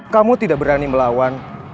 kamu tidak berani melawan